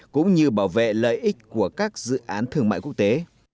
cũng như bảo vệ lợi ích của các dự án thương mại quốc tế